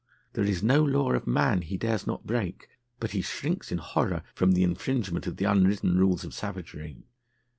There is no law of man he dares not break but he shrinks in horror from the infringement of the unwritten rules of savagery.